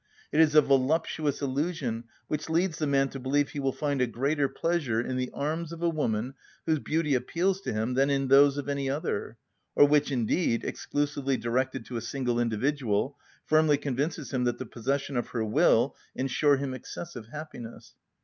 It is a voluptuous illusion which leads the man to believe he will find a greater pleasure in the arms of a woman whose beauty appeals to him than in those of any other; or which indeed, exclusively directed to a single individual, firmly convinces him that the possession of her will ensure him excessive happiness.